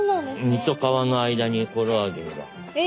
身と皮の間にコラーゲンが。え！